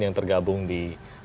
yang tergabung di